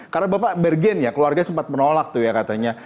karena bapak bergen ya keluarga sempat menolak tuh ya katanya